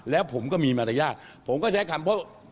แล้วผมก็มีมารยาทผมก็ใช้คำเพราะ